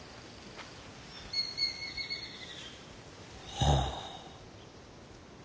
はあ。